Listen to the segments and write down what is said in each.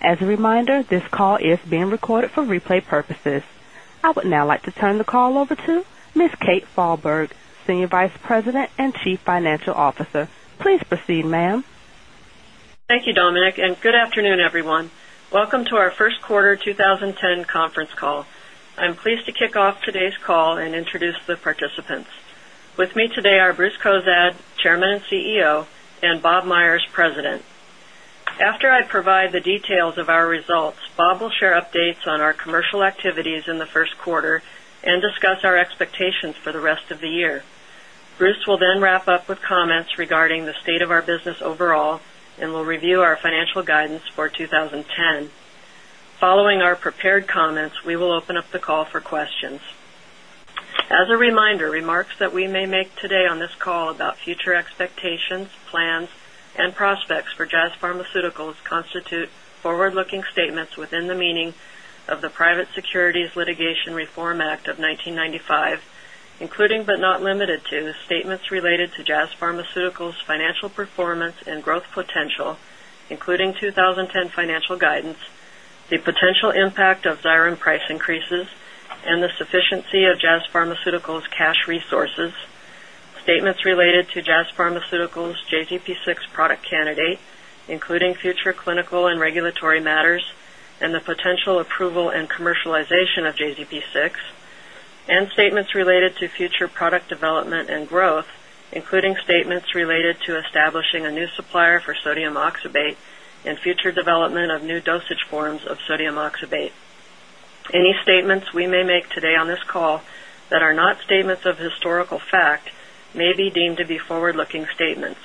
As a reminder, this call is being recorded for replay purposes. I would now like to turn the call over to Ms. Kate Falberg, Senior Vice President and Chief Financial Officer. Please proceed, ma'am. Thank you, Dominic, and good afternoon, everyone. Welcome to our first quarter 2010 conference call. I'm pleased to kick off today's call and introduce the participants. With me today are Bruce Cozadd, Chairman and CEO, and Bob Myers, President. After I provide the details of our results, Bob will share updates on our commercial activities in the first quarter and discuss our expectations for the rest of the year. Bruce will then wrap up with comments regarding the state of our business overall and will review our financial guidance for 2010. Following our prepared comments, we will open up the call for questions. As a reminder, remarks that we may make today on this call about future expectations, plans and prospects for Jazz Pharmaceuticals constitute forward-looking statements within the meaning of the Private Securities Litigation Reform Act of 1995, including, but not limited to, statements related to Jazz Pharmaceuticals' financial performance and growth potential, including 2010 financial guidance, the potential impact of Xyrem price increases and the sufficiency of Jazz Pharmaceuticals' cash resources. Statements related to Jazz Pharmaceuticals' JZP-6 product candidate, including future clinical and regulatory matters and the potential approval and commercialization of JZP-6, and statements related to future product development and growth, including statements related to establishing a new supplier for sodium oxybate and future development of new dosage forms of sodium oxybate. Any statements we may make today on this call that are not statements of historical fact may be deemed to be forward-looking statements.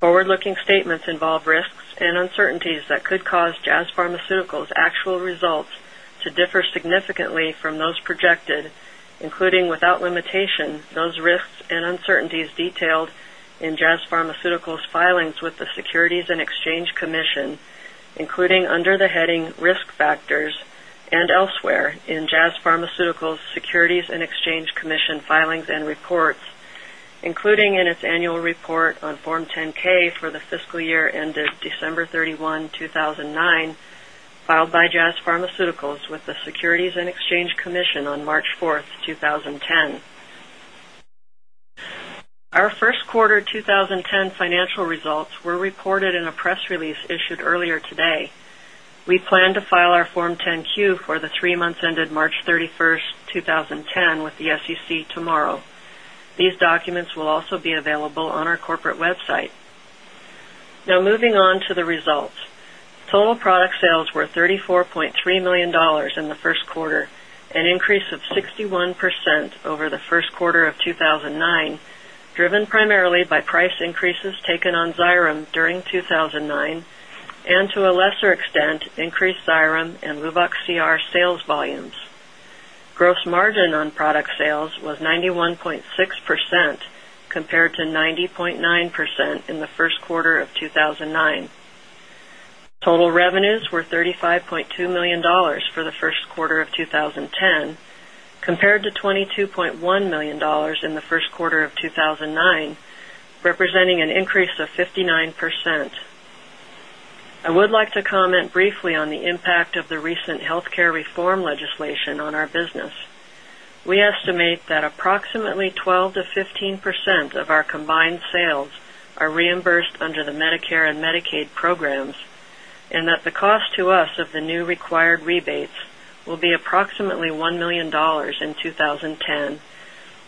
Forward-looking statements involve risks and uncertainties that could cause Jazz Pharmaceuticals actual results to differ significantly from those projected, including without limitation those risks and uncertainties detailed in Jazz Pharmaceuticals filings with the Securities and Exchange Commission, including under the heading Risk Factors and elsewhere in Jazz Pharmaceuticals Securities and Exchange Commission filings and reports, including in its annual report on Form 10-K for the fiscal year ended December 31, 2009, filed by Jazz Pharmaceuticals with the Securities and Exchange Commission on March 4th, 2010. Our first quarter 2010 financial results were reported in a press release issued earlier today. We plan to file our Form 10-Q for the three months ended March 31st, 2010 with the SEC tomorrow. These documents will also be available on our corporate website. Now moving on to the results. Total product sales were $34.3 million in the first quarter, an increase of 61% over the first quarter of 2009, driven primarily by price increases taken on Xyrem during 2009 and to a lesser extent, increased Xyrem and Luvox CR sales volumes. Gross margin on product sales was 91.6% compared to 90.9% in the first quarter of 2009. Total revenues were $35.2 million for the first quarter of 2010, compared to $22.1 million in the first quarter of 2009, representing an increase of 59%. I would like to comment briefly on the impact of the recent healthcare reform legislation on our business. We estimate that approximately 12%-15% of our combined sales are reimbursed under the Medicare and Medicaid programs and that the cost to us of the new required rebates will be approximately $1 million in 2010,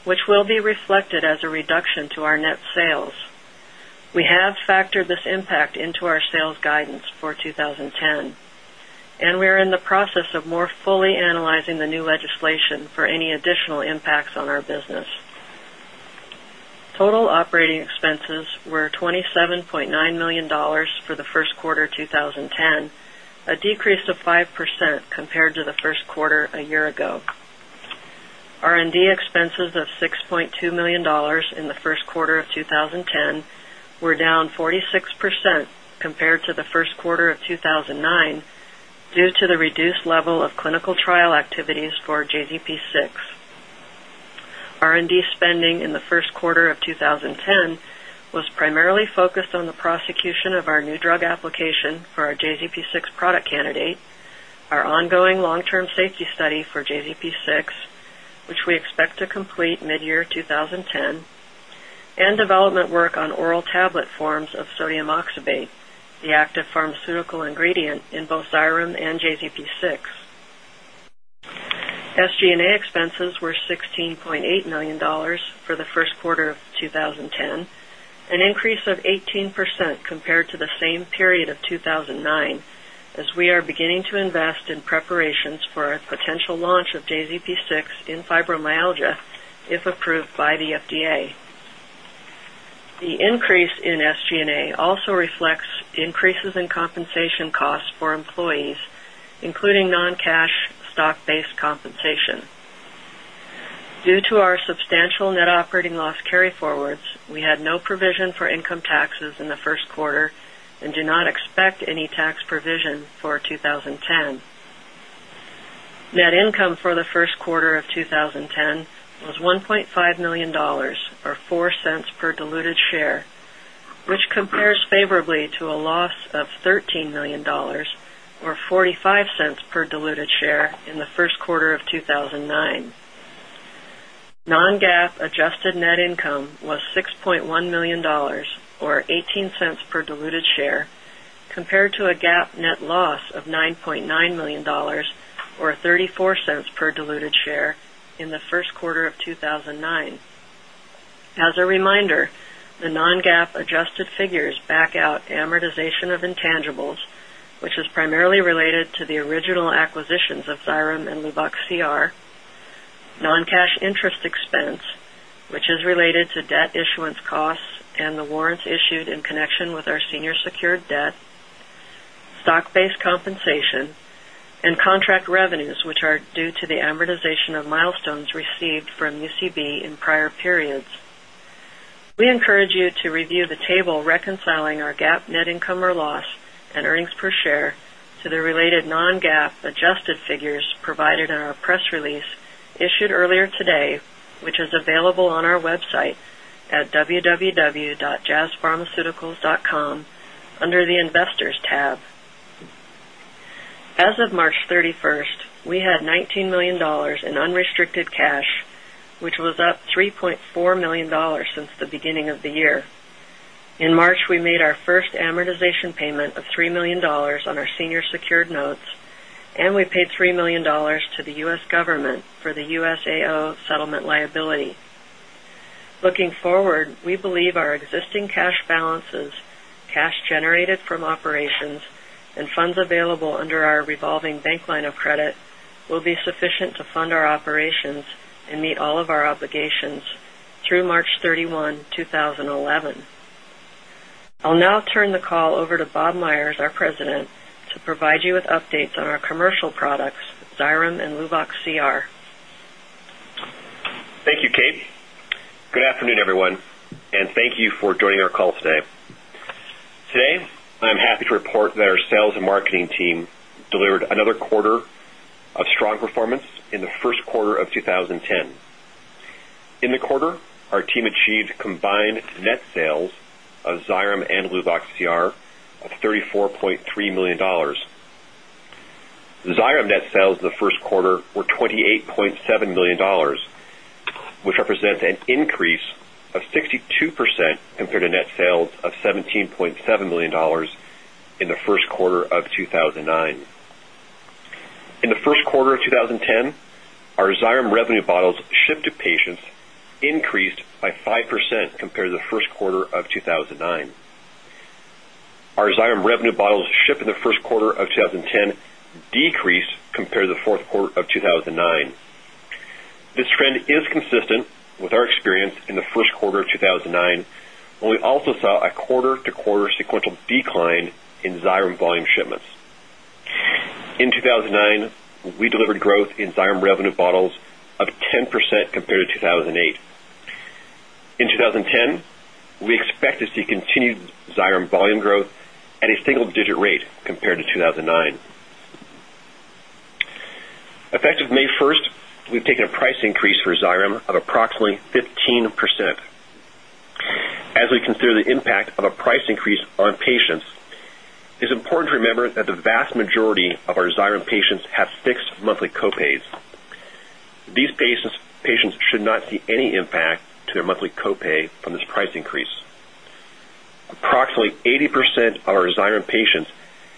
which will be reflected as a reduction to our net sales. We have factored this impact into our sales guidance for 2010 and we are in the process of more fully analyzing the new legislation for any additional impacts on our business. Total operating expenses were $27.9 million for the first quarter 2010, a decrease of 5% compared to the first quarter a year ago. R&D expenses of $6.2 million in the first quarter of 2010 were down 46% compared to the first quarter of 2009 due to the reduced level of clinical trial activities for JZP-6. R&D spending in the first quarter of 2010 was primarily focused on the prosecution of our new drug application for our JZP-6 product candidate, our ongoing long term safety study for JZP-6, which we expect to complete mid-year 2010, and development work on oral tablet forms of sodium oxybate, the active pharmaceutical ingredient in both Xyrem and JZP-6. SG&A expenses were $16.8 million for the first quarter of 2010, an increase of 18% compared to the same period of 2009. As we are beginning to invest in preparations for our potential launch of JZP-6 in fibromyalgia if approved by the FDA. The increase in SG&A also reflects increases in compensation costs for employees, including non-cash stock-based compensation. Due to our substantial net operating loss carryforwards, we had no provision for income taxes in the first quarter and do not expect any tax provision for 2010. Net income for the first quarter of 2010 was $1.5 million or $0.04 per diluted share, which compares favorably to a loss of $13 million or $0.45 per diluted share in the first quarter of 2009. Non-GAAP adjusted net income was $6.1 million or $0.18 per diluted share compared to a GAAP net loss of $9.9 million or $0.34 per diluted share in the first quarter of 2009. As a reminder, the non-GAAP adjusted figures back out amortization of intangibles, which is primarily related to the original acquisitions of Xyrem and Luvox CR, non-cash interest expense, which is related to debt issuance costs and the warrants issued in connection with our senior secured debt, stock-based compensation and contract revenues, which are due to the amortization of milestones received from UCB in prior periods. We encourage you to review the table reconciling our GAAP net income or loss and earnings per share to the related non-GAAP adjusted figures provided in our press release issued earlier today, which is available on our website at www.jazzpharmaceuticals.com under the Investors tab. As of March 31st, we had $19 million in unrestricted cash, which was up $3.4 million since the beginning of the year. In March, we made our first amortization payment of $3 million on our senior secured notes, and we paid $3 million to the U.S. government for the USAO settlement liability. Looking forward, we believe our existing cash balances, cash generated from operations and funds available under our revolving bank line of credit will be sufficient to fund our operations and meet all of our obligations through March 31, 2011. I'll now turn the call over to Bob Myers, our President, to provide you with updates on our commercial products, Xyrem and Luvox CR. Thank you, Kate. Good afternoon, everyone, and thank you for joining our call today. Today, I'm happy to report that our sales and marketing team delivered another quarter of strong performance in the first quarter of 2010. In the quarter, our team achieved combined net sales of Xyrem and Luvox CR of $34.3 million. Xyrem net sales in the first quarter were $28.7 million, which represents an increase of 62% compared to net sales of $17.7 million in the first quarter of 2009. In the first quarter of 2010, our Xyrem revenue bottles shipped to patients increased by 5% compared to the first quarter of 2009. Our Xyrem revenue bottles shipped in the first quarter of 2010 decreased compared to the fourth quarter of 2009. This trend is consistent with our experience in the first quarter of 2009, when we also saw a quarter-to-quarter sequential decline in Xyrem volume shipments. In 2009, we delivered growth in Xyrem revenue bottles of 10% compared to 2008. In 2010, we expect to see continued Xyrem volume growth at a single-digit rate compared to 2009. Effective May 1st, we've taken a price increase for Xyrem of approximately 15%. As we consider the impact of a price increase on patients, it's important to remember that the vast majority of our Xyrem patients have fixed monthly co-pays. These patients should not see any impact to their monthly co-pay from this price increase. Approximately 80% of our Xyrem patients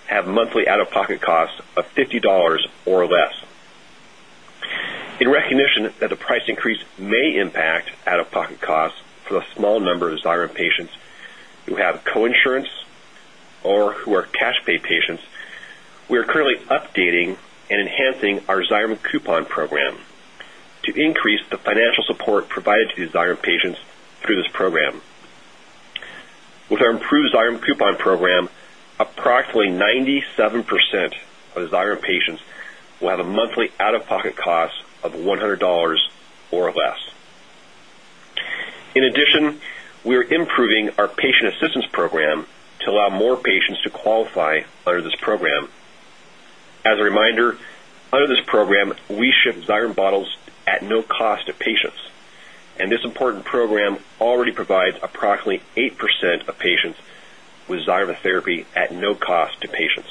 have monthly out-of-pocket costs of $50 or less. In recognition that the price increase may impact out-of-pocket costs for the small number of Xyrem patients who have coinsurance or who are cash pay patients, we are currently updating and enhancing our Xyrem coupon program to increase the financial support provided to these Xyrem patients through this program. With our improved Xyrem coupon program, approximately 97% of Xyrem patients will have a monthly out-of-pocket cost of $100 or less. In addition, we are improving our patient assistance program to allow more patients to qualify under this program. As a reminder, under this program, we ship Xyrem bottles at no cost to patients, and this important program already provides approximately 8% of patients with Xyrem therapy at no cost to patients.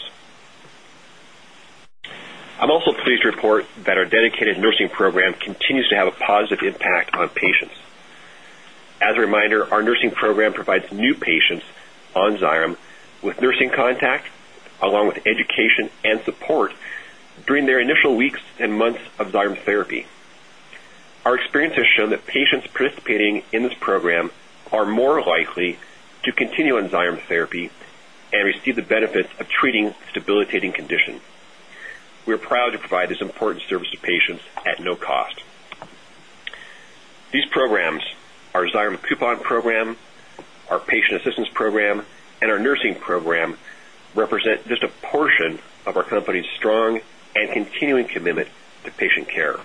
I'm also pleased to report that our dedicated nursing program continues to have a positive impact on patients. As a reminder, our nursing program provides new patients on Xyrem with nursing contact along with education and support during their initial weeks and months of Xyrem therapy. Our experience has shown that patients participating in this program are more likely to continue on Xyrem therapy and receive the benefits of treating this debilitating condition. We are proud to provide this important service to patients at no cost. These programs, our Xyrem coupon program, our patient assistance program, and our nursing program, represent just a portion of our company's strong and continuing commitment to patient care.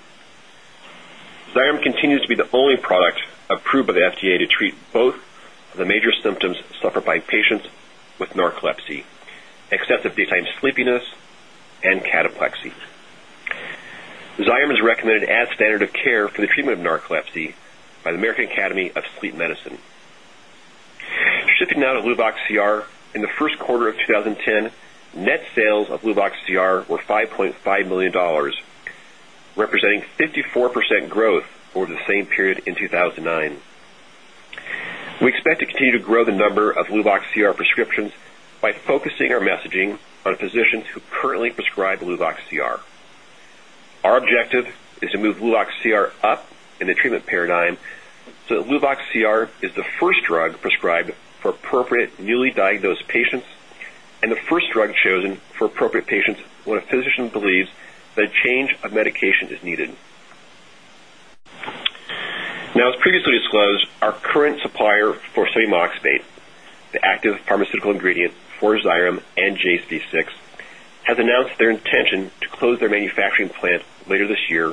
Xyrem continues to be the only product approved by the FDA to treat both of the major symptoms suffered by patients with narcolepsy, excessive daytime sleepiness and cataplexy. Xyrem is recommended as standard of care for the treatment of narcolepsy by the American Academy of Sleep Medicine. Shifting now to Luvox CR. In the first quarter of 2010, net sales of Luvox CR were $5.5 million, representing 54% growth over the same period in 2009. We expect to continue to grow the number of Luvox CR prescriptions by focusing our messaging on physicians who currently prescribe Luvox CR. Our objective is to move Luvox CR up in the treatment paradigm so that Luvox CR is the first drug prescribed for appropriate newly diagnosed patients and the first drug chosen for appropriate patients when a physician believes that a change of medication is needed. Now, as previously disclosed, our current supplier for sodium oxybate, the active pharmaceutical ingredient for Xyrem and JZP-6, has announced their intention to close their manufacturing plant later this year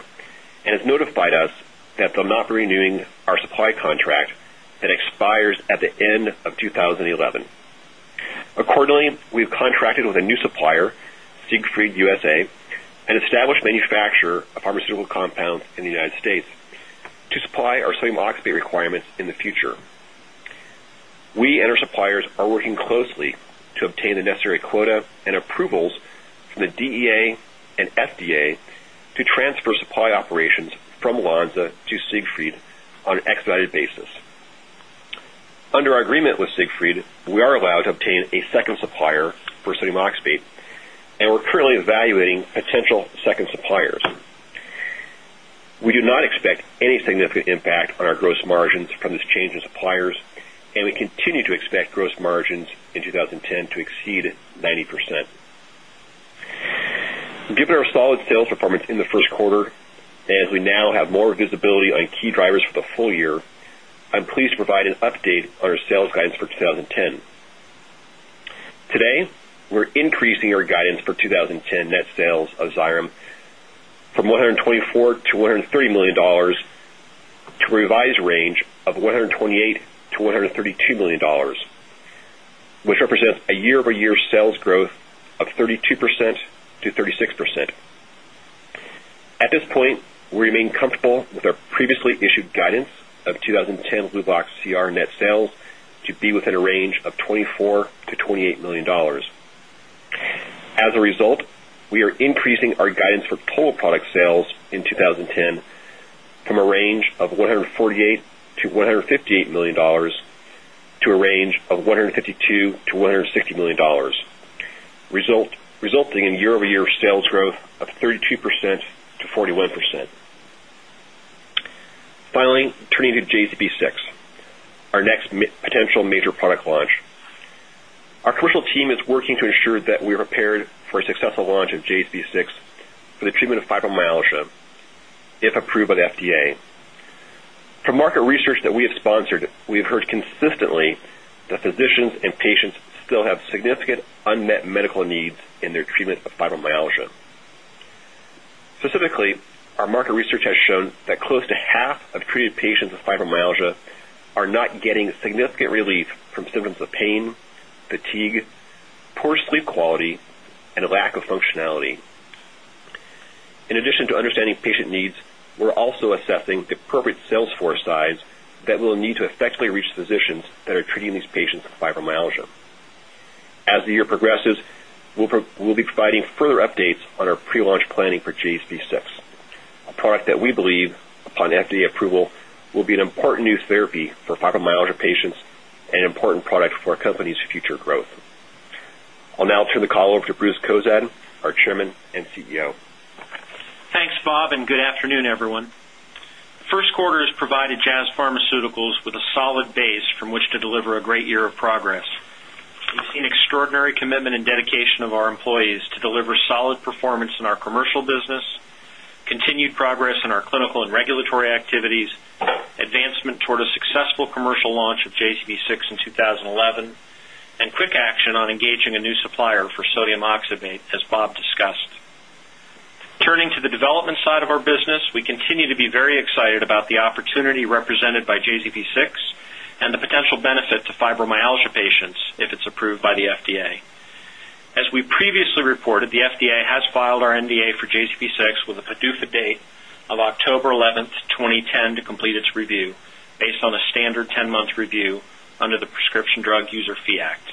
and has notified us that they'll not be renewing our supply contract that expires at the end of 2011. Accordingly, we've contracted with a new supplier, Siegfried USA, an established manufacturer of pharmaceutical compounds in the United States, to supply our sodium oxybate requirements in the future. We and our suppliers are working closely to obtain the necessary quota and approvals from the DEA and FDA to transfer supply operations from Lonza to Siegfried on an expedited basis. Under our agreement with Siegfried, we are allowed to obtain a second supplier for sodium oxybate, and we're currently evaluating potential second suppliers. We do not expect any significant impact on our gross margins from this change in suppliers, and we continue to expect gross margins in 2010 to exceed 90%. Given our solid sales performance in the first quarter, and as we now have more visibility on key drivers for the full-year, I'm pleased to provide an update on our sales guidance for 2010. Today, we're increasing our guidance for 2010 net sales of Xyrem from $124 million-$130 million to a revised range of $128 million-$132 million, which represents a year-over-year sales growth of 32%-36%. At this point, we remain comfortable with our previously issued guidance of 2010 Luvox CR net sales to be within a range of $24 million-$28 million. As a result, we are increasing our guidance for total product sales in 2010 from a range of $148 million-$158 million to a range of $152 million-$160 million, resulting in year-over-year sales growth of 32%-41%. Finally, turning to JZP-6, our next potential major product launch. Our commercial team is working to ensure that we are prepared for a successful launch of JZP-6 for the treatment of fibromyalgia if approved by the FDA. From market research that we have sponsored, we have heard consistently that physicians and patients still have significant unmet medical needs in their treatment of fibromyalgia. Specifically, our market research has shown that close to half of treated patients with fibromyalgia are not getting significant relief from symptoms of pain, fatigue, poor sleep quality, and a lack of functionality. In addition to understanding patient needs, we're also assessing the appropriate sales force size that we'll need to effectively reach the physicians that are treating these patients with fibromyalgia. As the year progresses, we'll be providing further updates on our pre-launch planning for JZP-6, a product that we believe, upon FDA approval, will be an important new therapy for fibromyalgia patients and an important product for our company's future growth. I'll now turn the call over to Bruce Cozadd, our Chairman and CEO. Thanks, Bob, and good afternoon, everyone. First quarter has provided Jazz Pharmaceuticals with a solid base from which to deliver a great year of progress. We've seen extraordinary commitment and dedication of our employees to deliver solid performance in our commercial business, continued progress in our clinical and regulatory activities, advancement toward a successful commercial launch of JZP-6 in 2011, and quick action on engaging a new supplier for sodium oxybate, as Bob discussed. Turning to the development side of our business, we continue to be very excited about the opportunity represented by JZP-6 and the potential benefit to fibromyalgia patients if it's approved by the FDA. As we previously reported, the FDA has filed our NDA for JZP-6 with a PDUFA date of October 11th, 2010 to complete its review based on a standard 10-month review under the Prescription Drug User Fee Act.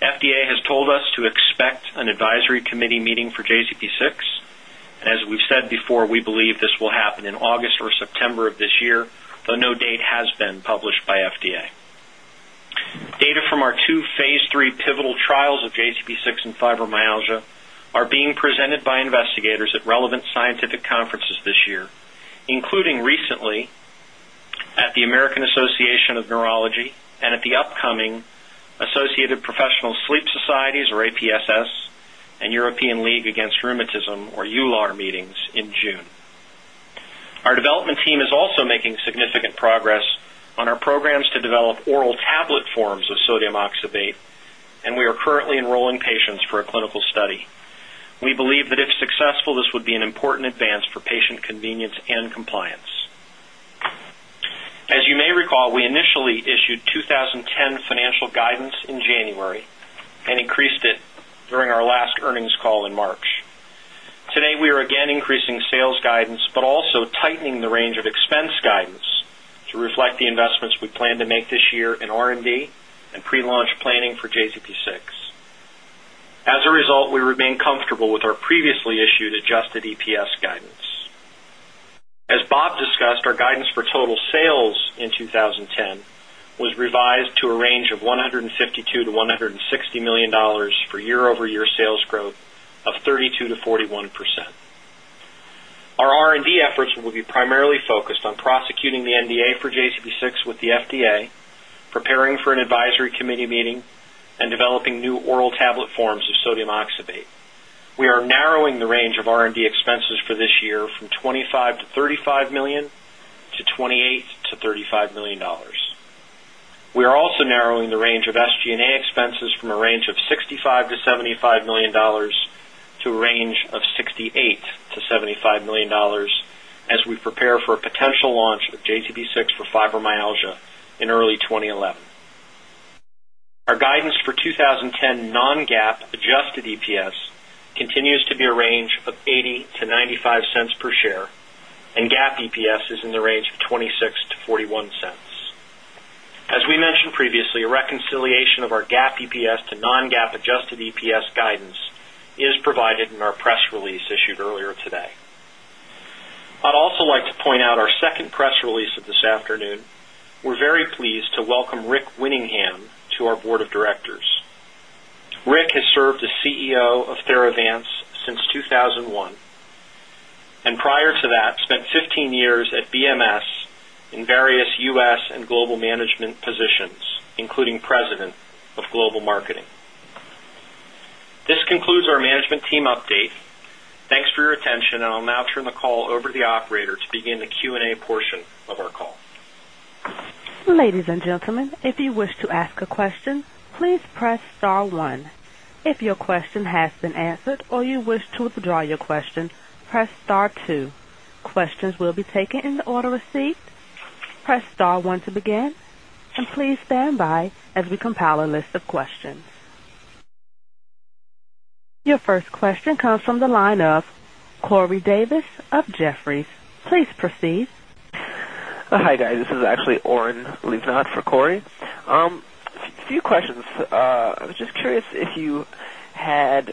FDA has told us to expect an advisory committee meeting for JZP-6, and as we've said before, we believe this will happen in August or September of this year, though no date has been published by FDA. Data from our two phase III pivotal trials of JZP-6 in fibromyalgia are being presented by investigators at relevant scientific conferences this year, including recently at the American Academy of Neurology and at the upcoming Associated Professional Sleep Societies, or APSS, and European Alliance of Associations for Rheumatology, or EULAR, meetings in June. Our development team is also making significant progress on our programs to develop oral tablet forms of sodium oxybate, and we are currently enrolling patients for a clinical study. We believe that if successful, this would be an important advance for patient convenience and compliance. As you may recall, we initially issued 2010 financial guidance in January and increased it during our last earnings call in March. Today, we are again increasing sales guidance but also tightening the range of expense guidance to reflect the investments we plan to make this year in R&D and pre-launch planning for JZP-6. As a result, we remain comfortable with our previously issued adjusted EPS guidance. As Bob discussed, our guidance for total sales in 2010 was revised to a range of $152 million-$160 million for year-over-year sales growth of 32%-41%. Our R&D efforts will be primarily focused on prosecuting the NDA for JZP-6 with the FDA, preparing for an advisory committee meeting and developing new oral tablet forms of sodium oxybate. We are narrowing the range of R&D expenses for this year from $25 million-$35 million to $28 million-$35 million. We are also narrowing the range of SG&A expenses from a range of $65 million-$75 million to a range of $68 million-$75 million as we prepare for a potential launch of JZP-6 for fibromyalgia in early 2011. Our guidance for 2010 non-GAAP adjusted EPS continues to be a range of $0.80-$0.95 Per share, and GAAP EPS is in the range of $0.26-$0.41. As we mentioned previously, a reconciliation of our GAAP EPS to non-GAAP adjusted EPS guidance is provided in our press release issued earlier today. I'd also like to point out our second press release of this afternoon. We're very pleased to welcome Rick Winningham to our board of directors. Rick has served as CEO of Theravance since 2001, and prior to that, spent 15 years at BMS in various U.S. and global management positions, including President of Global Marketing. This concludes our management team update. Thanks for your attention, and I'll now turn the call over to the operator to begin the Q&A portion of our call. Ladies and gentlemen, if you wish to ask a question, please press star one. If your question has been answered or you wish to withdraw your question, press star two. Questions will be taken in the order received. Press star one to begin, and please stand by as we compile a list of questions. Your first question comes from the line of Corey Davis of Jefferies. Please proceed. Hi, guys. This is actually Oren Livnat for Corey Davis. A few questions. I was just curious if you had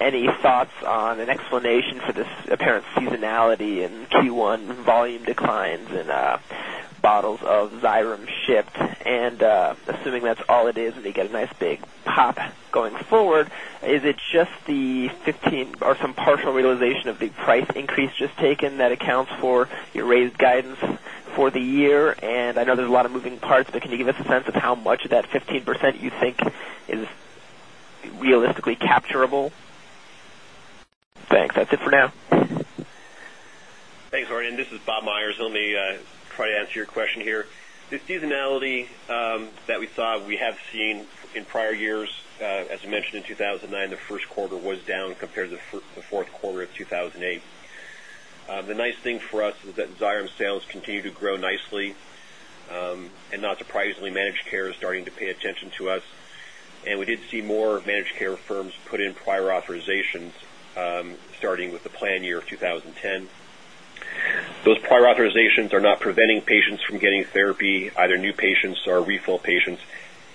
any thoughts on an explanation for this apparent seasonality in Q1 volume declines and, bottles of Xyrem shipped. Assuming that's all it is, and you get a nice big pop going forward, is it just the 15% or some partial realization of the price increase just taken that accounts for your raised guidance for the year? I know there's a lot of moving parts, but can you give us a sense of how much of that 15% you think is realistically capturable? Thanks. That's it for now. Thanks, Oren. This is Bob Myers. Let me try to answer your question here. The seasonality that we saw, we have seen in prior years. As you mentioned, in 2009, the first quarter was down compared to the fourth quarter of 2008. The nice thing for us is that Xyrem sales continue to grow nicely. Not surprisingly, managed care is starting to pay attention to us. We did see more managed care firms put in prior authorizations starting with the plan year of 2010. Those prior authorizations are not preventing patients from getting therapy, either new patients or refill patients.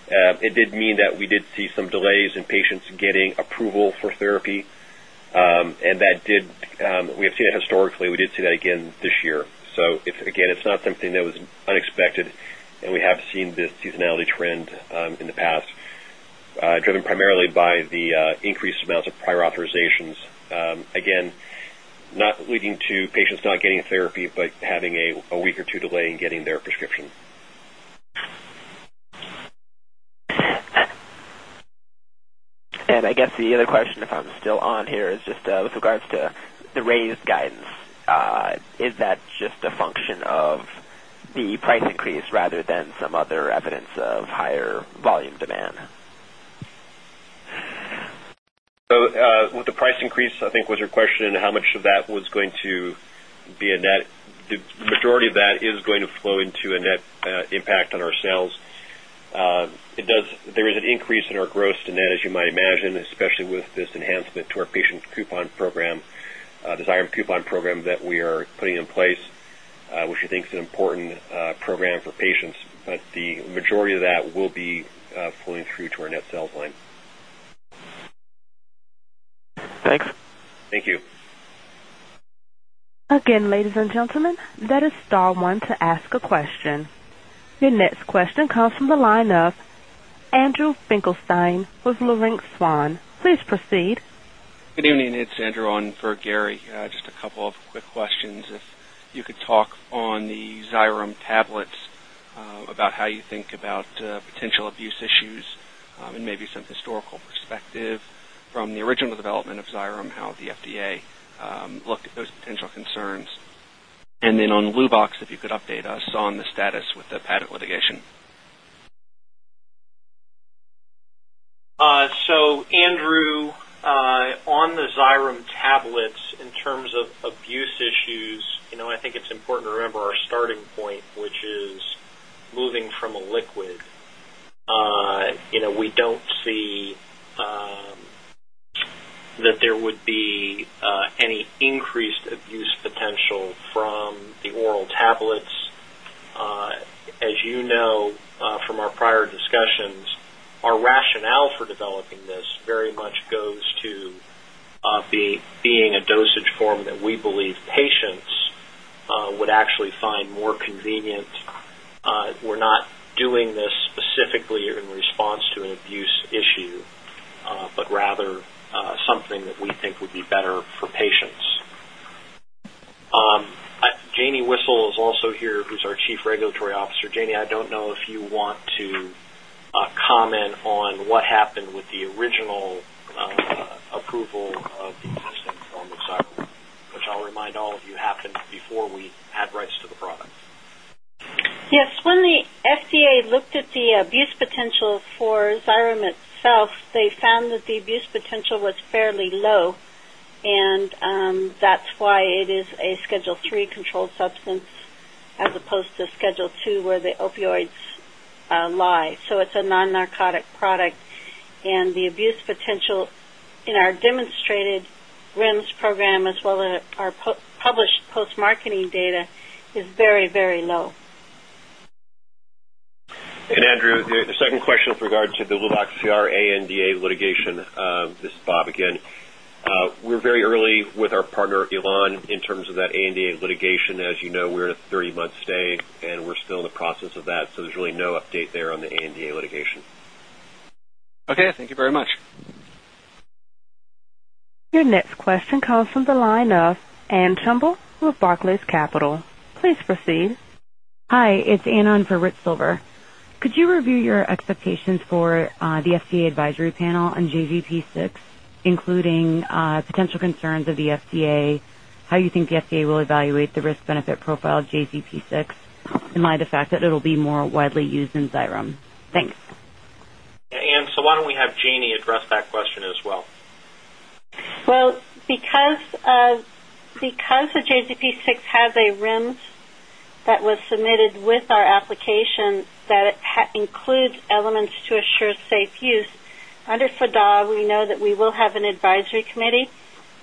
It did mean that we did see some delays in patients getting approval for therapy. That did, we have seen it historically. We did see that again this year. Again, it's not something that was unexpected. We have seen this seasonality trend in the past, driven primarily by the increased amounts of prior authorizations. Again, not leading to patients not getting therapy, but having a week or two delay in getting their prescription. I guess the other question, if I'm still on here, is just, with regards to the raised guidance, is that just a function of the price increase rather than some other evidence of higher volume demand? With the price increase, I think was your question, how much of that was going to be a net? The majority of that is going to flow into a net impact on our sales. It does. There is an increase in our gross to net, as you might imagine, especially with this enhancement to our patient coupon program, the Xyrem coupon program that we are putting in place, which we think is an important program for patients. The majority of that will be flowing through to our net sales line. Thanks. Thank you. Again, ladies and gentlemen, that is star one to ask a question. Your next question comes from the line of Andrew Finkelstein with Leerink Swann. Please proceed. Good evening. It's Andrew on for Gary. Just a couple of quick questions. If you could talk on the Xyrem tablets, about how you think about potential abuse issues, and maybe some historical perspective from the original development of Xyrem, how the FDA looked at those potential concerns. Then on Luvox, if you could update us on the status with the patent litigation. Andrew, on the Xyrem tablets, in terms of abuse issues, you know, I think it's important to remember our starting point, which is moving from a liquid. You know, we don't see that there would be any increased abuse potential from the oral tablets. As you know, from our prior discussions, our rationale for developing this very much goes to being a dosage form that we believe patients would actually find more convenient. We're not doing this specifically in response to an abuse issue, but rather something that we think would be better for patients. Janne Wissel is also here, who's our Chief Regulatory Officer. Janne, I don't know if you want to comment on what happened with the original approval of the existing form of Xyrem, which I'll remind all of you, happened before we had rights to the product. Yes. When the FDA looked at the abuse potential for Xyrem itself, they found that the abuse potential was fairly low. That's why it is a Schedule III controlled substance, as opposed to Schedule II, where the opioids lie. It's a non-narcotic product. The abuse potential in our demonstrated REMS program, as well as our published post-marketing data, is very, very low. Andrew, the second question with regard to the Luvox CR ANDA litigation. This is Bob again. We're very early with our partner, Elan, in terms of that ANDA litigation. As you know, we're at a 30-month stay, and we're still in the process of that, so there's really no update there on the ANDA litigation. Okay, thank you very much. Your next question comes from the line of Anne Chable with Barclays Capital. Please proceed. Hi, it's Anne on for Rick Silver. Could you review your expectations for the FDA advisory panel on JZP-6, including potential concerns of the FDA, how you think the FDA will evaluate the risk-benefit profile of JZP-6, in light of the fact that it'll be more widely used than Xyrem? Thanks. Yeah, Anne, why don't we have Janne address that question as well? Well, because the JZP-6 has a REMS that was submitted with our application that includes elements to assure safe use, under FDA, we know that we will have an advisory committee.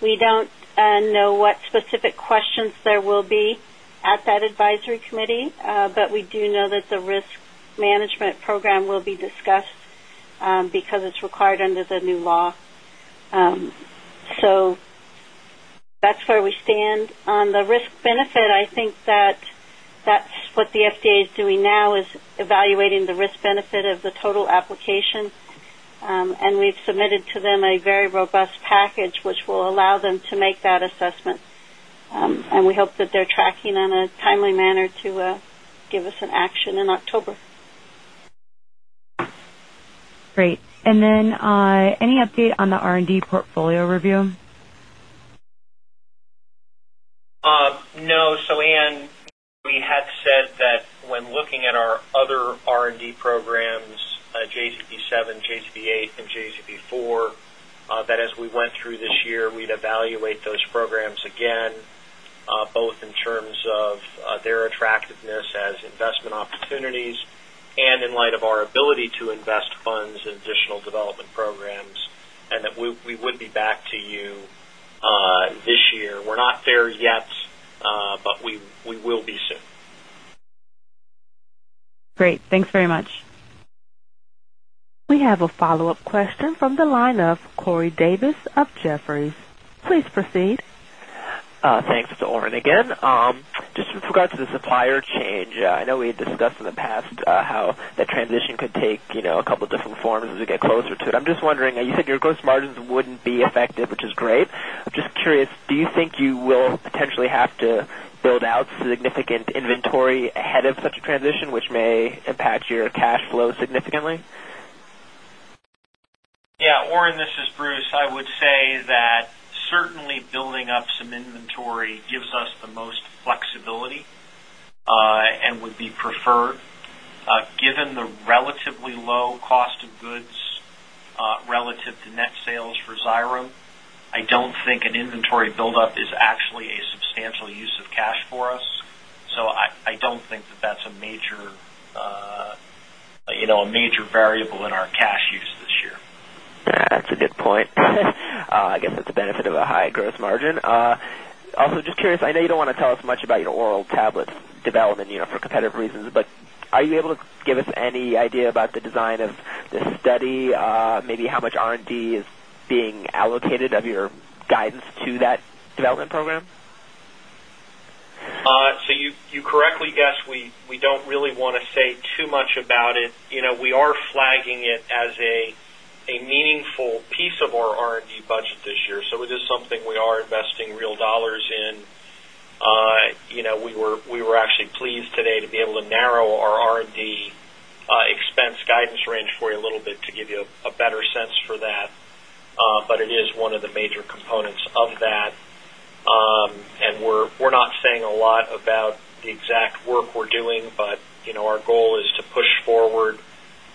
We don't know what specific questions there will be at that advisory committee, but we do know that the risk management program will be discussed, because it's required under the new law. That's where we stand. On the risk-benefit, I think that that's what the FDA is doing now, is evaluating the risk-benefit of the total application. We've submitted to them a very robust package which will allow them to make that assessment. We hope that they're tracking in a timely manner to give us an action in October. Great. Any update on the R&D portfolio review? No. Anne, we had said that when looking at our other R&D programs, JZP-7, JZP-8, and JZP-4, that as we went through this year, we'd evaluate those programs again, both in terms of their attractiveness as investment opportunities and in light of our ability to invest funds in additional development programs, and that we would be back to you this year. We're not there yet, but we will be soon. Great. Thanks very much. We have a follow-up question from the line of Corey Davis of Jefferies. Please proceed. Thanks. It's Oren again. Just with regards to the supplier change, I know we had discussed in the past, how that transition could take, you know, a couple different forms as we get closer to it. I'm just wondering, you said your gross margins wouldn't be affected, which is great. I'm just curious, do you think you will potentially have to build out significant inventory ahead of such a transition, which may impact your cash flow significantly? Yeah, Oren, this is Bruce. I would say that certainly building up some inventory gives us the most flexibility and would be preferred. Given the relatively low cost of goods relative to net sales for Xyrem, I don't think an inventory buildup is actually a substantial use of cash for us. I don't think that that's a major you know, a major variable in our cash use this year. That's a good point. I guess that's a benefit of a high gross margin. Also, just curious, I know you don't wanna tell us much about your oral tablets development, you know, for competitive reasons, but are you able to give us any idea about the design of the study, maybe how much R&D is being allocated of your guidance to that development program? You correctly guessed, we don't really wanna say too much about it. We are flagging it as a meaningful piece of our R&D budget this year, so it is something we are investing real dollars in. We were actually pleased today to be able to narrow our R&D expense guidance range for you a little bit to give you a better sense for that. It is one of the major components of that. We're not saying a lot about the exact work we're doing, but you know, our goal is to push forward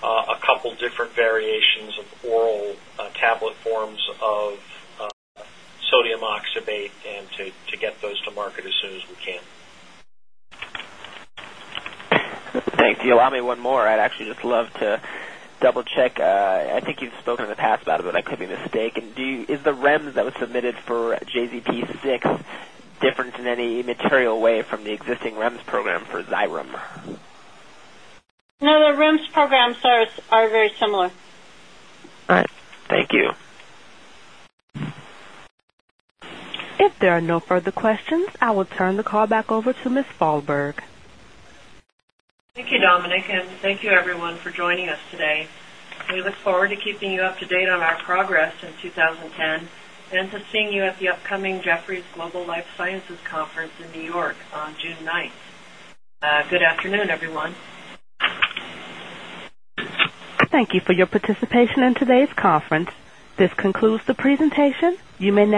a couple different variations of oral tablet forms of sodium oxybate and to get those to market as soon as we can. Thanks. If you allow me one more, I'd actually just love to double-check. I think you've spoken in the past about it, but I could be mistaken. Is the REMS that was submitted for JZP-6 different in any material way from the existing REMS program for Xyrem? No, the REMS programs are very similar. All right. Thank you. If there are no further questions, I will turn the call back over to Ms. Fahlberg. Thank you, Dominic, and thank you everyone for joining us today. We look forward to keeping you up to date on our progress in 2010 and to seeing you at the upcoming Jefferies Global Life Sciences Conference in New York on June 9th. Good afternoon, everyone. Thank you for your participation in today's conference. This concludes the presentation. You may now disconnect.